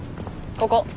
ここ。